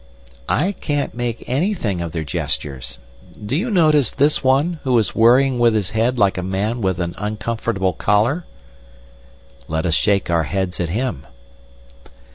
"I can't make anything of their gestures. Do you notice this one, who is worrying with his head like a man with an uncomfortable collar?" "Let us shake our heads at him."